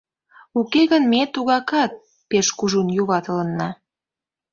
Уке гын, ме тугакат пеш кужун юватылынна.